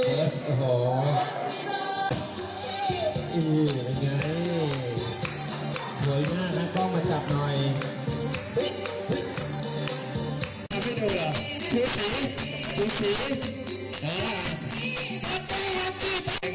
พี่มอร์ทุกคนเนี่ยคุณสีคุณสีไม่ยอมอยากให้ร่วมขึ้นลง